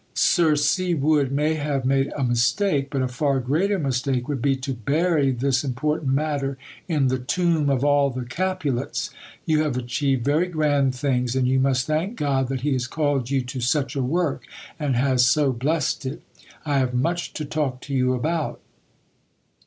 Sir C. Wood may have made a 'mistake,' but a far greater mistake would be to bury this important matter in the 'tomb of all the Capulets.' ... You have achieved very grand things; and you must thank God that He has called you to such a work, and has so blessed it. I have much to talk to you about."